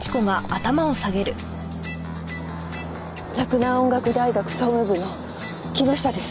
洛南音楽大学総務部の木下です。